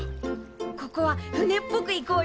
ここは船っぽくいこうよ。